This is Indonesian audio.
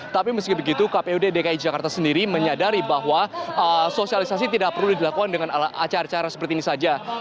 tapi meski begitu kpud dki jakarta sendiri menyadari bahwa sosialisasi tidak perlu dilakukan dengan acara acara seperti ini saja